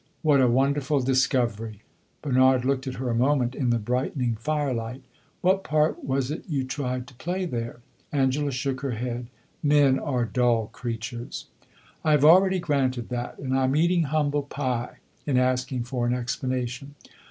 "What a wonderful discovery!" Bernard looked at her a moment in the brightening fire light. "What part was it you tried to play there?" Angela shook her head. "Men are dull creatures." "I have already granted that, and I am eating humble pie in asking for an explanation."